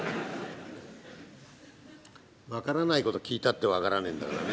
分からないことを聞いたって分からねえんだからね